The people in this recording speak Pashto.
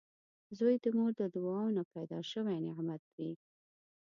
• زوی د مور د دعاوو نه پیدا شوي نعمت وي